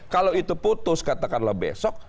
kalau itu putus katakanlah besok